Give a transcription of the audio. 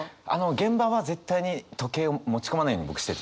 現場は絶対に時計を持ち込まないように僕してて。